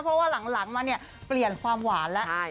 เพราะว่าหลังมาเนี่ยเปลี่ยนความหวานแล้ว